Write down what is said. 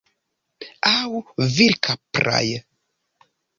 Aŭ virkapraj.